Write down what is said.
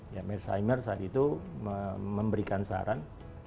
ya mirzheimer saat itu memberikan saran